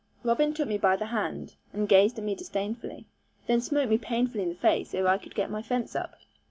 Robin took me by the hand, and gazed at me disdainfully, and then smote me painfully in the face, ere I could get my fence up.